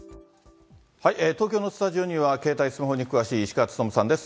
東京のスタジオには、携帯、スマホに詳しい石川温さんです。